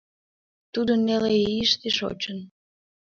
Тудо неле ийыште шочын.